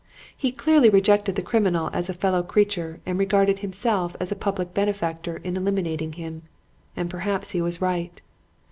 He clearly rejected the criminal as a fellow creature and regarded himself as a public benefactor in eliminating him. And perhaps he was right.